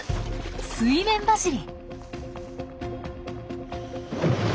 水面走り！